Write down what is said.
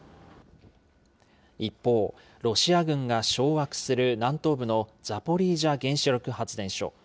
一方、ロシア軍が掌握する南東部のザポリージャ原子力発電所。